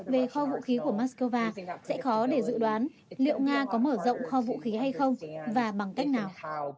về kho vũ khí của moscow sẽ khó để dự đoán liệu nga có mở rộng kho vũ khí hay không và bằng cách nào